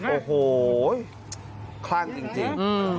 โอ้โหคลั่งจริง